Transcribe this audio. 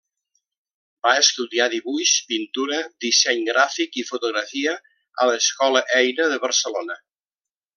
Va estudiar dibuix, pintura, disseny gràfic i fotografia a l'escola Eina de Barcelona.